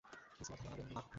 Please মাথা নড়াবেন না।